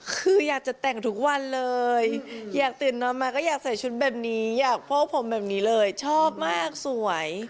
คืออยากจะแต่งทุกวันเลยอยากตื่นนอนมาก็อยากใส่ชุดแบบนี้อยากพวกผมแบบนี้เลยชอบมากสวย